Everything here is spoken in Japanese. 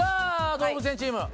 「動物園チーム」。